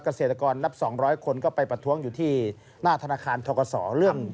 เกษตรกรนับ๒๐๐คนก็ไปประท้วงอยู่ที่หน้าธนาคารทกศเรื่อง